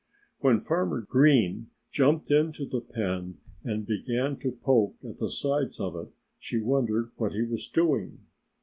When Farmer Green jumped into the pen and began to poke at the sides of it she wondered what he was doing.